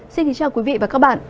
xin kính chào quý vị và các bạn